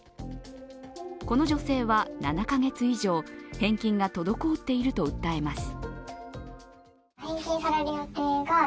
この女性は７カ月以上返金が滞っていると訴えます。